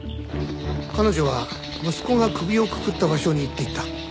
彼女は息子が首をくくった場所に行っていた。